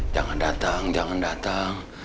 jangan datang jangan datang